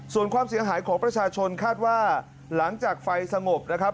ส่วนความเสียหายของประชาชนคาดว่าหลังจากไฟสงบนะครับ